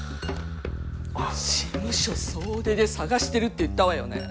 事務所総出で探してるって言ったわよね？